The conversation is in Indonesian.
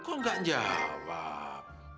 kok gak jawab